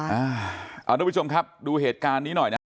เอาทุกผู้ชมครับดูเหตุการณ์นี้หน่อยนะฮะ